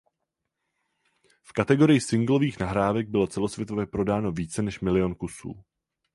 V kategorii singlových nahrávek bylo celosvětově prodáno více než milion kusů.